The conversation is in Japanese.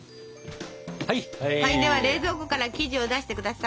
では冷蔵庫から生地を出してください。